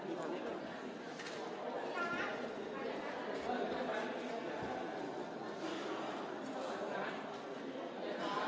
ขอบคุณครับ